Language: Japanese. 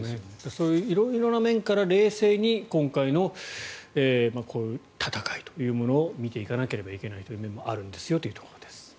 そういう色々な面から冷静に今回のこういう戦いというものを見ていかなければいけないという面もあるんですよというところです。